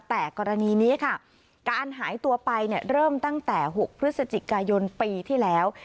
แต่กรณีนี้ค่ะการหายตัวไปเริ่มตั้งแต่๖พฤศจิกายนปีที่แล้ว